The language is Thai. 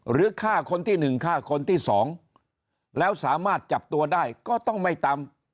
หรือฆ่าคนที่๑ฆ่าคนที่สองแล้วสามารถจับตัวได้ก็ต้องไม่ตาม